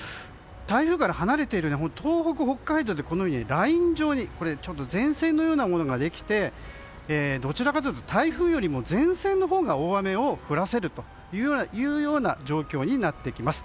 台風から離れている東北、北海道でライン状に前線のようなものができてどちらかというと台風より前線のほうが大雨を降らせる状況になってきます。